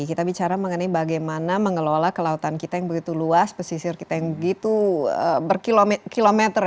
kita bicara mengenai bagaimana mengelola kelautan kita yang begitu luas pesisir kita yang begitu berkilometer